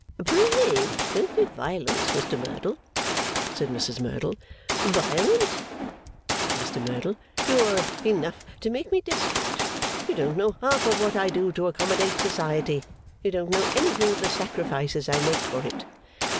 'Pray, don't be violent, Mr Merdle,' said Mrs Merdle. 'Violent?' said Mr Merdle. 'You are enough to make me desperate. You don't know half of what I do to accommodate Society. You don't know anything of the sacrifices I make for it.